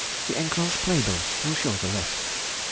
The enclosed playbill will show the rest.